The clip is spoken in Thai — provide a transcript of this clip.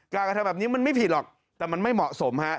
การกระทำแบบนี้มันไม่ผิดหรอกแต่มันไม่เหมาะสมฮะ